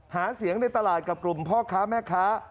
หาเสียงในตลาดกับกลุ่มพ่อค้าแม่ค้า